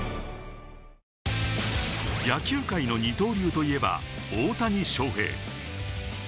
野球界の二刀流といえば大谷翔平。